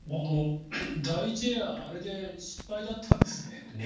第１エアあれで失敗だったんですね。